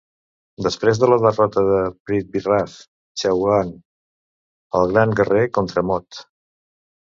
Després de la derrota de PrithviRaj Chauhan, el gran guerrer contra Mohd.